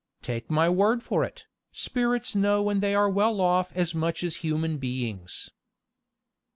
Take my word for it, spirits know when they are well off as much as human beings.